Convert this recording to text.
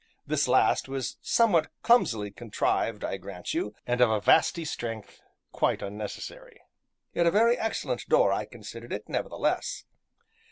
This last was somewhat clumsily contrived, I grant you, and of a vasty strength quite unnecessary, yet a very excellent door I considered it, nevertheless.